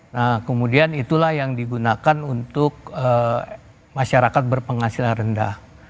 nah kemudian itulah yang digunakan untuk masyarakat berpenghasilan rendah